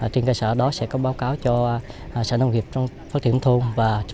trên cơ sở đó sẽ có báo cáo cho sở nông nghiệp phát triển nông thôn